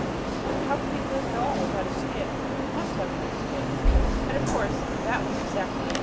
So how could he live at all without a skin? He must have a new skin." And, of course, that was exactly it.